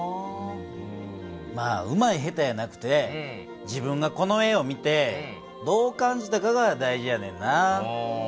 まあうまい下手やなくて自分がこの絵を見てどう感じたかが大事やねんな。